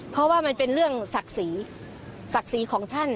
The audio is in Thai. เพราะว่ามันเป็นเรื่องศักดิ์ศรีศักดิ์ศรีของท่าน